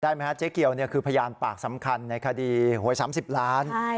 เจ๊เกียวคือพยานปากสำคัญในคดีหวย๓๐ล้าน